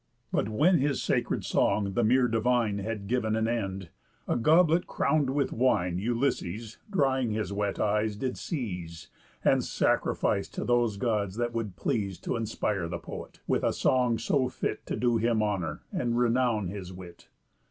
But, when his sacred song the mere divine Had giv'n an end, a goblet crown'd with wine Ulysses, drying his wet eyes, did seize, And sacrific'd to those Gods that would please T' inspire the poet with a song so fit To do him honour, and renown his wit.